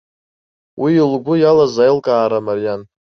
Уи лгәы иалаз аилкаара мариан.